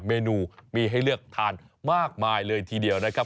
เมนูมีให้เลือกทานมากมายเลยทีเดียวนะครับ